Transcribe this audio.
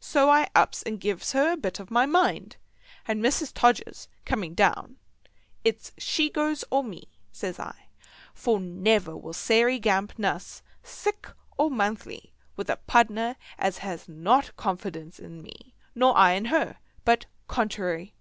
So I ups and gives her a bit of my mind; and Mrs. Todgers coming down, "It's she goes or me," says I, "for never will Sairey Gamp nuss, sick or monthly, with a pardner as has not confidence in me, nor I in her, but contrary."